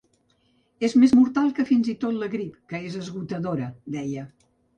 És més mortal que fins i tot la grip, que és esgotadora, deia.